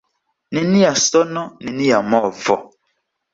Nenia sono, nenia movo.